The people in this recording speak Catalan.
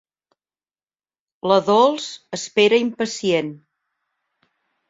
La Dols espera impacient.